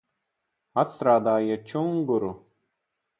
Atstrādājiet čunguru!